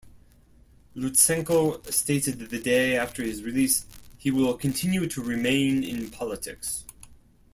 Lutsenko stated the day after his release he will "continue to remain in politics".